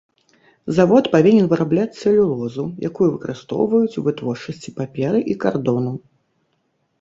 Завод павінен вырабляць цэлюлозу, якую выкарыстоўваюць у вытворчасці паперы і кардону.